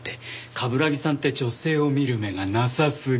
冠城さんって女性を見る目がなさすぎ。